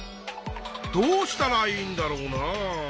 どうしたらいいんだろうなあ。